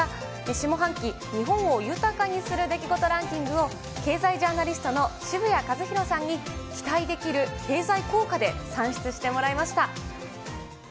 下半期日本を豊かにする出来事ランキングを、経済ジャーナリストの渋谷和宏さんに期待できる経済効果で算出してもらいました。